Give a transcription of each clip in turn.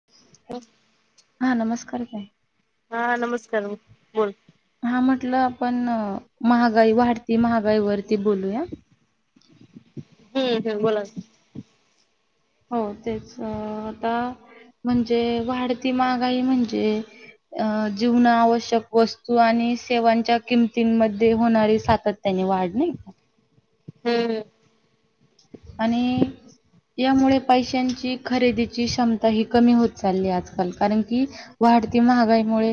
[inaudible] हा नमस्कार ताई. हा नमस्कार बोल. हा म्हटलं आपण महागाई वाढती महागाईवरती बोलूया. हम्म हम बोला च. हो तेच आता म्हणजे वाढती महागाई म्हणजे. अ जीवण आवश्यक वस्तू आणि सेवांच्या किमतीमध्ये होणारे सातत्य- त्यानी वाढलंय. हम्म आणि- यांमुळे पैशांची खरेदीची क्षमता ही कमी होत चालली आजकाल कारण की- वाढती महागाईमुळे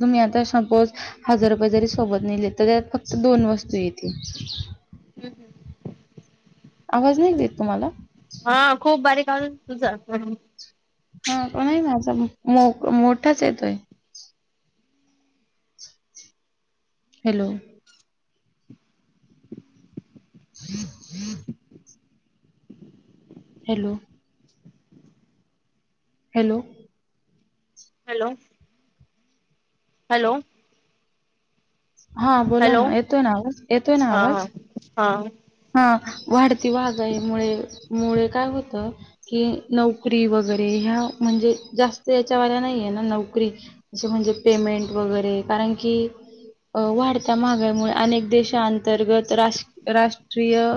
तुम्ही आता सपोज- हजार रुपये जरी सोबत नेले तरी त्यात फक्त दोन वस्तू येते. हम् हम आवाज नाही देत तुम्हाला? हा खूप बारीक आवाज येतो तुझा. हाण कोनी नाही नाचायला मोठाच येत hello [inaudible] hello! Hello! Hello! Hello हा बोला हॅलो ना येतोय ना, आवाज येतोय ना हा हा. आवाज? हा हा वाढती वाघाई मुळे, मुळे काय होत‌. कि नोकरी वगैरे ह्या म्हणजे जास्त यांच्या वाल्या नाहीये ना नोकरी- असं म्हणजे पेमेंट वगैरे कारण की, अ वाढत्या महागाईमुळे अनेक देशांअंतर्गत राष्ट, राष्ट- राष्ट्रीय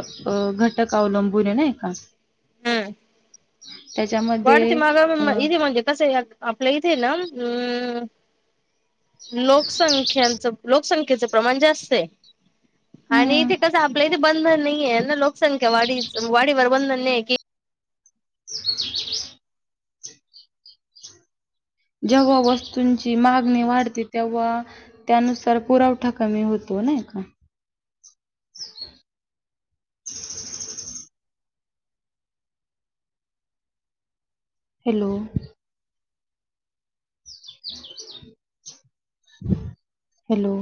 घटक अवलंबून आहे नाही का. हम् त्याच्यामध्ये वाढते अ माघाई इथे म्हणजे कसं- आपल्या इथे ना अ लोकसंख्याचं, लोकसंख्येचं- प्रमाण जास्तय आणि हम्म ते कसं आपलं इथ बंद नाही आहे लक- संख्या वाडीस वाडीवर बरबंद नाही. की ब [inaudible] जेव्हा वस्तूंची मागणी वाढते तेव्हा, त्यानुसार पुरवठा कमी होतो नाही ‌ [inaudible] हॅलो हॅलो!